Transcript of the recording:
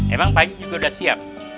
emang pak haji juga udah siap